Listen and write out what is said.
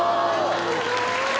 「すごい！」